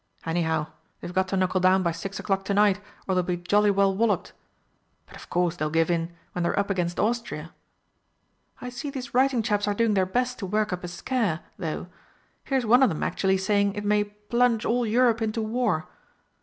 Anyhow, they've got to knuckle down by six o'clock to night or they'll be jolly well walloped. But of course they'll give in when they're up against Austria.... I see these writing chaps are doing their best to work up a scare, though. Here's one of 'em actually saying it may 'plunge all Europe into War.'